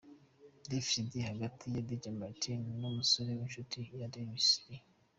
Davis D hagati ya Dj Martin n'umusore w'inshuti ya Davis D.